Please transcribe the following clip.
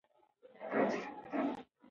ټولنیز جوړښت د ټولنې بڼه ټاکي.